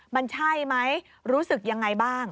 มันใช่ไหมรู้สึกยังไงบ้าง